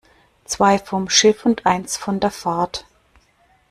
Zwei vom Schiff und eines von der Fahrt.